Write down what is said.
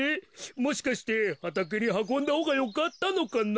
もしかしてはたけにはこんだほうがよかったのかな。